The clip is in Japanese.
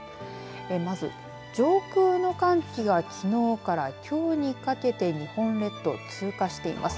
まず上空の寒気がきのうからきょうにかけて日本列島を通過しています。